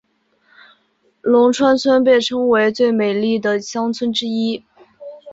龙川村被称为最美丽的乡村之一。